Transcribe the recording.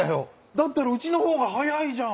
だったらうちの方が早いじゃん！